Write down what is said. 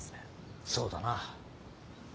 そうだな。